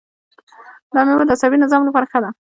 دا میوه د عصبي نظام لپاره ښه ده.